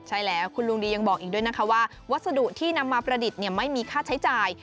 ใช่แล้วคุณลุงดียังบอกอีกด้วยนะคะว่าวัสดุที่นำมาประดิษฐ์ไม่มีค่าใช้จ่าย